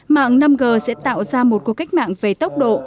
mạng năm g sẽ tạo ra một cuộc cách mạng về tốc độ